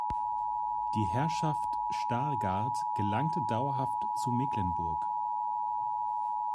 Die Herrschaft Stargard gelangte dauerhaft zu Mecklenburg.